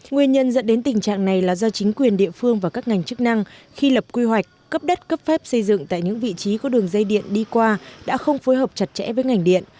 nguyên nhân dẫn đến tình trạng này là do chính quyền địa phương và các ngành chức năng khi lập quy hoạch cấp đất cấp phép xây dựng tại những vị trí có đường dây điện đi qua đã không phối hợp chặt chẽ với ngành điện